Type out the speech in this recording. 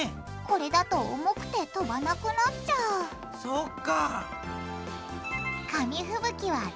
これだと重くて飛ばなくなっちゃうそっか。